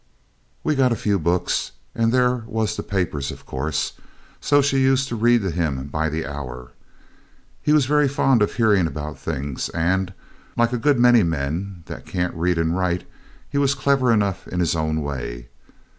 We'd got a few books, and there was the papers, of course, so she used to read to him by the hour together. He was very fond of hearing about things, and, like a good many men that can't read and write, he was clever enough in his own way.